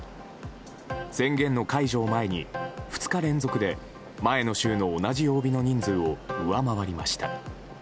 宣言の解除を前に、２日連続で前の週の同じ曜日の人数を上回りました。